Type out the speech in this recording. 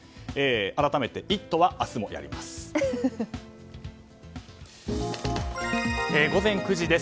改めて、「イット！」は明日もやります。